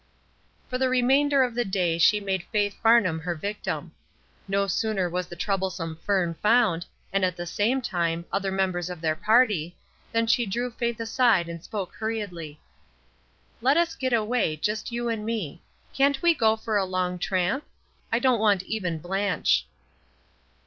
For the remainder of the day she made Faith Farnham her victim. No sooner was the trouble some fern found, and at the same time, other members of their party, than she drew Faith aside and spoke hurriedly. "Let us get away, just you and me. Can't we go for a long tramp? I don't want even Blanche."